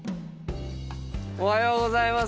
おはようございます。